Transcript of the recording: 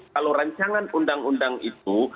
kalau rancangan undang undang itu